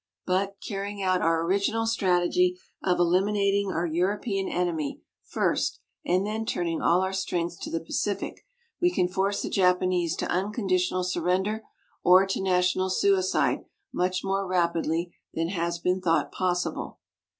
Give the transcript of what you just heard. But, carrying out our original strategy of eliminating our European enemy first and then turning all our strength to the Pacific, we can force the Japanese to unconditional surrender or to national suicide much more rapidly than has been thought possible.